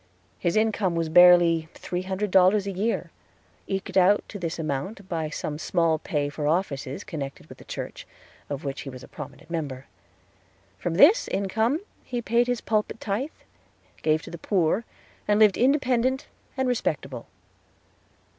His income was barely three hundred dollars a year eked out to this amount by some small pay for offices connected with the church, of which he was a prominent member. From this income he paid his pulpit tithe, gave to the poor, and lived independent and respectable.